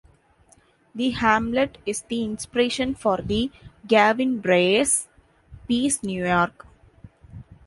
The hamlet is the inspiration for the Gavin Bryars piece "New York".